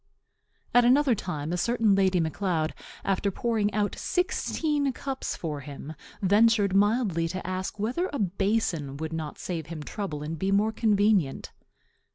'" At another time a certain Lady Macleod, after pouring out sixteen cups for him, ventured mildly to ask whether a basin would not save him trouble and be more convenient.